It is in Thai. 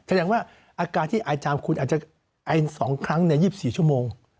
แสดงว่าอาการที่อายจามคุณอาจจะไอ๒ครั้งใน๒๔ชั่วโมง